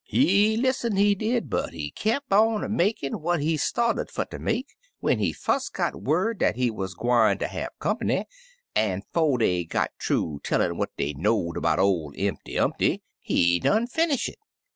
"He lissened, he did, but he keep on a makin' what he started fer ter make when he fust got word dat he wuz gwine ter have company, an* *fo' dey got thoo tellin' what dey know'd 'bout ol' Impty Umpty, he done finish it.